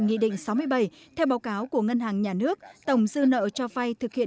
nghị định sáu mươi bảy theo báo cáo của ngân hàng nhà nước tổng dư nợ cho vay thực hiện